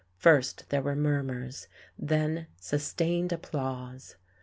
First there were murmurs, then sustained applause.